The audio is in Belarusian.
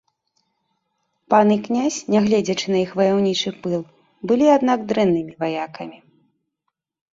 Пан і князь, нягледзячы на іх ваяўнічы пыл, былі, аднак, дрэннымі ваякамі.